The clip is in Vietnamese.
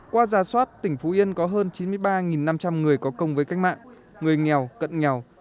qua giả soát tỉnh phú yên có hơn chín mươi ba năm trăm linh người có công với cách mạng người nghèo cận nghèo